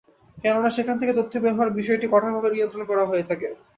কেননা সেখান থেকে তথ্য বের হওয়ার বিষয়টি কঠোরভাবে নিয়ন্ত্রণ করা হয়ে থাকে।